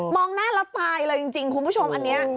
หน้าแล้วตายเลยจริงคุณผู้ชมอันนี้